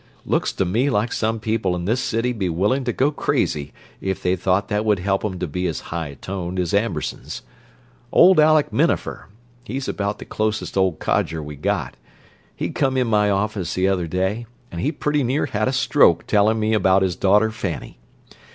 Looks to me like some people in this city'd be willing to go crazy if they thought that would help 'em to be as high toned as Ambersons. Old Aleck Minafer—he's about the closest old codger we got—he come in my office the other day, and he pretty near had a stroke tellin' me about his daughter Fanny.